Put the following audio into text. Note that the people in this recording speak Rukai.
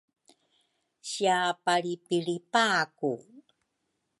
Sia Palripilripa ku